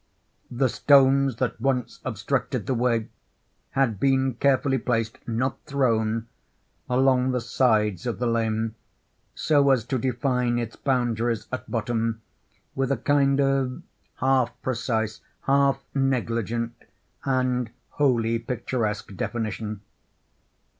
The stones that once obstructed the way had been carefully placed—not thrown—along the sides of the lane, so as to define its boundaries at bottom with a kind of half precise, half negligent, and wholly picturesque definition.